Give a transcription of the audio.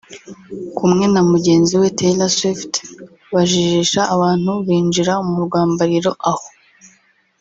Kumwe na mugenzi we Taylor Swift bajijisha abantu binjira mu rwambariro( aho